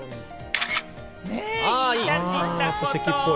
ねー、いい写真だこと。